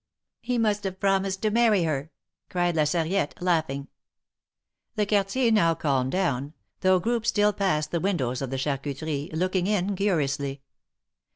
He must have promised to marry her," cried La Sar riette, laughing. The Quartier now calmed down, though groups still passed the windows of the Charcuterie, looking in curiously.